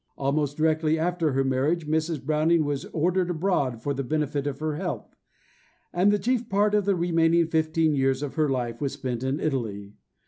Almost directly after her marriage Mrs. Browning was ordered abroad for the benefit of her health, and the chief part of the remaining fifteen years of her life was spent in Italy.